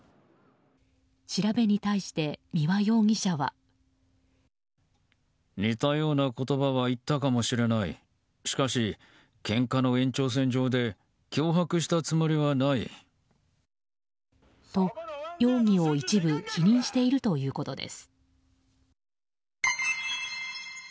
調べに対して三輪容疑者。と、容疑を一部否認しているということです。